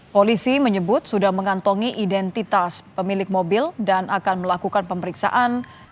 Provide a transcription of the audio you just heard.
polisi menyebut sudah mengantongi identitas pemilik mobil dan akan melakukan pemeriksaan